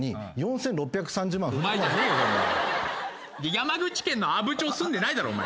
山口県の阿武町住んでないだろお前。